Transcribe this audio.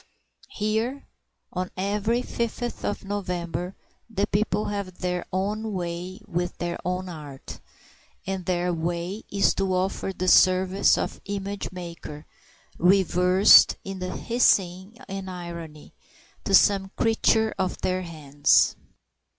Here on every fifth of November the people have their own way with their own art; and their way is to offer the service of the image maker, reversed in hissing and irony, to some creature of their hands.